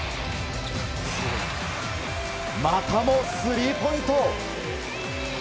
またもスリーポイント！